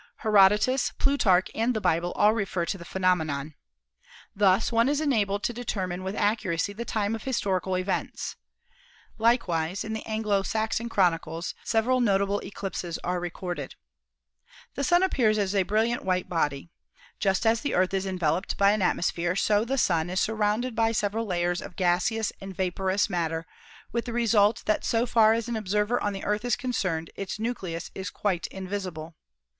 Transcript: Herodotus, Plutarch and the Bible all refer to the phenomenon. Thus one is enabled to determine with accuracy the time of historical events. Likewise in the Anglo Saxon chronicles several notable eclipses are recorded. The Sun appears as a brilliant white body. Just as the Earth is enveloped by an atmosphere, so the Sun is surrounded by several layers of gaseous and vaporous matter, with the result that so far as an observer on the Earth is concerned its nucleus is quite invisible.